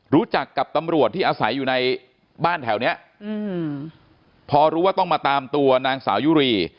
รู้จักกับตำรวจที่อาศัยอยู่ในบ้านแถวเนี้ยอืมพอรู้ว่าต้องมาตามตัวนางสาวยุรี